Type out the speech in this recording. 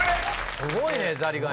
すごいね「ザリガニ」